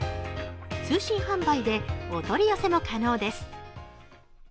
通信販売でお取り寄せも可能です。